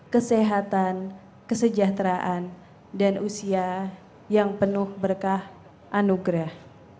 kesehatan kesejahteraan dan usia yang penuh berkah anugerah